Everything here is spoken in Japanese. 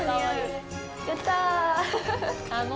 やったー。